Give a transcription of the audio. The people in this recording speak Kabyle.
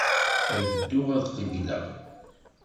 Ad dduɣ ad qeyyleɣ.